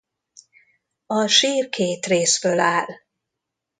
A sír két részből áll.